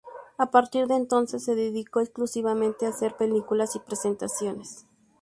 A partir de entonces, se dedicó exclusivamente a hacer películas y presentaciones.